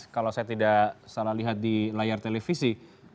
kalau saya tidak salah lihat di layar televisi